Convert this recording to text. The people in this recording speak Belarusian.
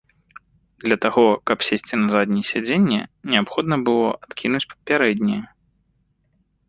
Для таго, каб сесці на заднія сядзенні, неабходна было адкінуць пярэднія.